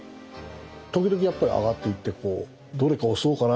時々やっぱり上がっていってどれか押そうかなみたいな。